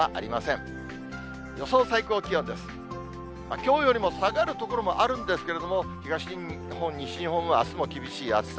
きょうよりも下がる所もあるんですけれども、東日本、西日本はあすも厳しい暑さ。